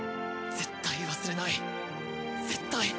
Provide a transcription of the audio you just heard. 絶対忘れない絶対。